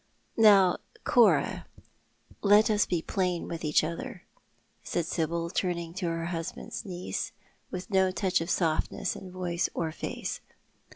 "Now, Cora, let us be plain with each other," said Sibyl, turning to her husband's niece, with no touch of softness in voice or face.